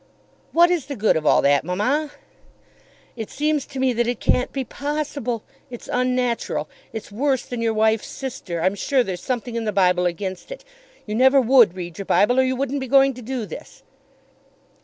"What is the good of all that, mamma?" "It seems to me that it can't be possible. It's unnatural. It's worse than your wife's sister. I'm sure there's something in the Bible against it. You never would read your Bible, or you wouldn't be going to do this."